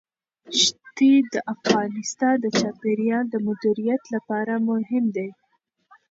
ښتې د افغانستان د چاپیریال د مدیریت لپاره مهم دي.